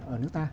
ở nước ta